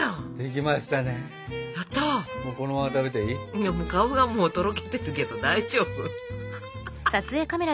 いやもう顔がもうとろけてるけど大丈夫？